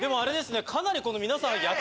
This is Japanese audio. かなり皆さん。